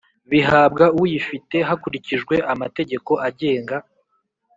bihabwa uyifite hakurikijwe amategeko agenga